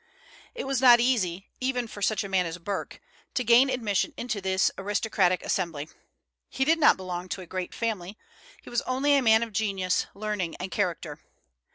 It was not easy, even for such a man as Burke, to gain admission into this aristocratic assembly. He did not belong to a great family; he was only a man of genius, learning, and character.